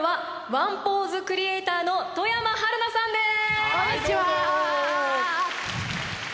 ワンポーズクリエイター外山晴菜です！